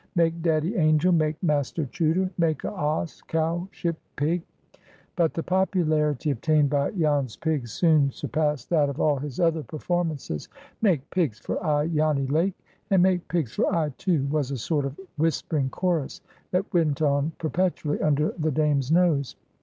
Make Daddy Angel. Make Master Chuter. Make a oss—cow—ship—pig!" But the popularity obtained by Jan's pigs soon surpassed that of all his other performances. "Make pigs for I, Janny Lake!" and "Make pigs for I, too!" was a sort of whispering chorus that went on perpetually under the Dame's nose.